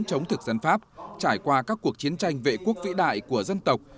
chống thực dân pháp trải qua các cuộc chiến tranh vệ quốc vĩ đại của dân tộc